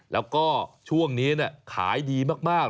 แล้วก็ช่วงนี้ขายดีมาก